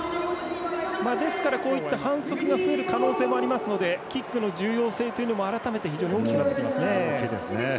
ですから反則が増える可能性もありますのでキックの重要性というのも改めて、大きくなってきますね。